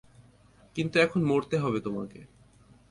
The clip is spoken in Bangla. কিন্তু এখন মরতে হবে তোমাকে।